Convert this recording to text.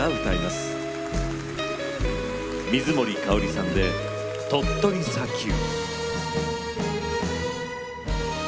水森かおりさんで「鳥取砂丘」。